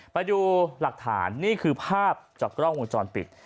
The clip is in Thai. ไปดูหลักฐานนี่คือภาพจากกล้องวงจรปิด